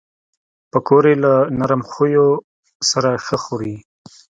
پکورې له نرم خویو سره ښه خوري